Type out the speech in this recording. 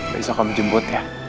besok kamu jemput ya